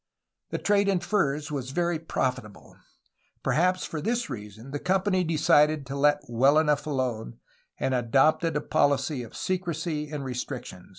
The trade in furs was very profitable. Perhaps for this reason the company decided to let well enough alone, and adopted a policy of secrecy and restriction.